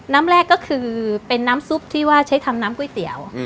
น้ำแรกก็คือเป็นน้ำซุปที่ว่าใช้ทำน้ำก๋วยเตี๋ยว